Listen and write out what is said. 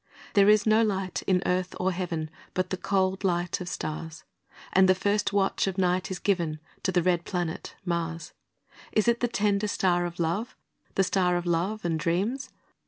There is no light in earth or heaven, But the cold light of stars; And the first watch of night is given To the red planet Mars. Is it the tender star of love? The star of love and dreams?